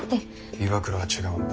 岩倉は違うんだ。